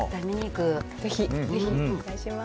ぜひ、ぜひ、お願いします。